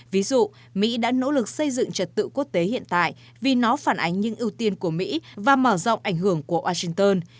ví dụ mỹ đã nỗ lực xây dựng trật tự quốc tế hiện tại vì nó phản ánh những ưu tiên của mỹ và mở rộng ảnh hưởng của washington